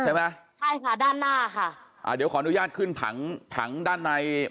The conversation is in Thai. ใช่ไหมใช่ค่ะด้านหน้าค่ะอ่าเดี๋ยวขออนุญาตขึ้นผังผังด้านใน